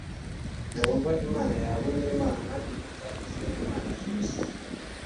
Yehova Imana yawe ni Imana iruta izindi mana zose,